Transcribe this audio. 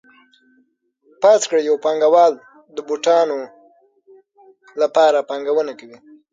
فرض کړئ یو پانګوال د بوټانو لپاره پانګونه کوي